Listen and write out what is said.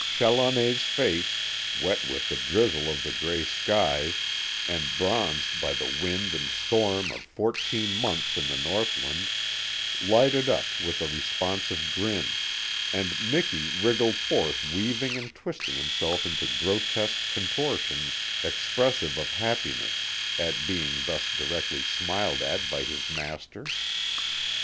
Challoner's face, wet with the drizzle of the gray skies and bronzed by the wind and storm of fourteen months in the northland, lighted up with a responsive grin, and Miki wriggled forth weaving and twisting himself into grotesque contortions expressive of happiness at being thus directly smiled at by his master.